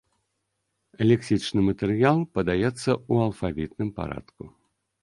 Лексічны матэрыял падаецца ў алфавітным парадку.